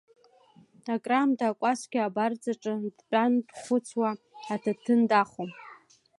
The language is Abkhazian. Акраамҭа акәасқьа абарҵаҿы дтәан дхәыцуа, аҭаҭын дахо.